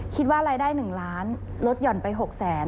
คิดว่ารายได้๑ล้านลดหย่อนไป๖แสน